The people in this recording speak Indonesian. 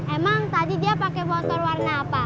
emang tadi dia pakai motor warna apa